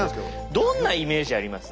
どんなイメージあります？